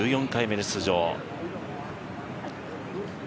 １４回目の出場。